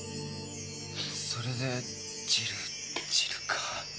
それでチルチルか。